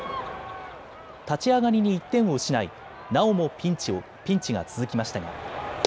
立ち上がりに１点を失いなおもピンチが続きましたが。